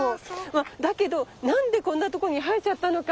まあだけどなんでこんなとこに生えちゃったのか。